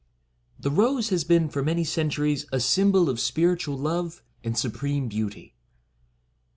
The Rose has been for many centuries a sym bol of spiritual love and supreme beauty.